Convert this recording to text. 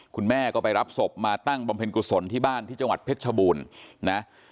คุณแม่ก็ไปรับศพมาตั้งบำเพ็ญกุศลที่บ้านที่จังหวัดเพชรชบูรณ์นะ